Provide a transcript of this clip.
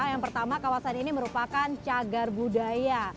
yang pertama kawasan ini merupakan cagar budaya